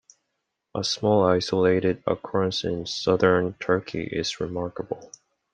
A small, isolated occurrence in southern Turkey is remarkable.